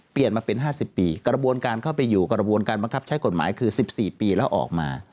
เปลี่ยนมาเป็น๕๐ปีกระบวนการเข้าไปอยู่กระบวนการบังคับใช้กฎหมายคือ๑๔ปีแล้วออกมา